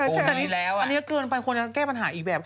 อู้นี่ก็ที่นี้แล้วอะแต่อันนี้เกินไปควรได้แก้ปัญหาอีกแบบ